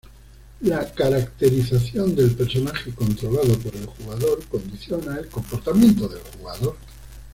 La caracterización del personaje controlado por el jugador condiciona el comportamiento del jugador.